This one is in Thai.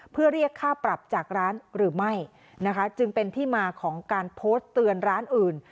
เพื่อเรียกค่าปรับจากร้านหรือไม่นะคะจึงเป็นที่มาของการโพสต์เตือนร้านอื่น